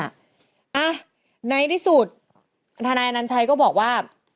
อ่ะในที่สุดทนายอนัญชัยก็บอกว่า